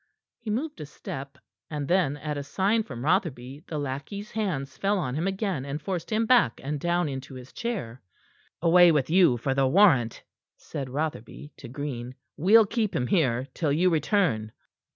He moved a step, and then, at a sign from Rotherby, the lackey's hands fell on him again, and forced him back and down into his chair. "Away with you for the warrant," said Rotherby to Green. "We'll keep him here till you return."